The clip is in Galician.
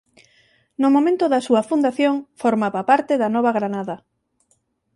No momento da súa fundación formaba parte da Nova Granada.